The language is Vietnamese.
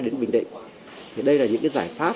đến bình định thì đây là những giải pháp